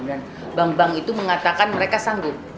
dan bank bank itu mengatakan mereka sanggup